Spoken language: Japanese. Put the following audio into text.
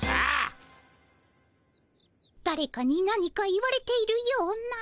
だれかに何か言われているような。